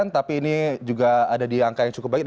tapi ini juga ada di angka yang cukup baik